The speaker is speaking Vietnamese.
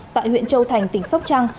tại huyện châu thành tỉnh sóc trăng